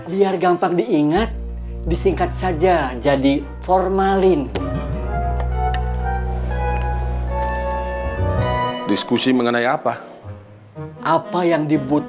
biar gampang diingat disingkat saja jadi formalin